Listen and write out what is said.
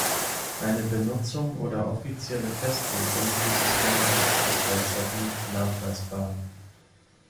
Eine Benutzung oder offizielle Festlegung dieses Namens ist derzeit nicht nachweisbar.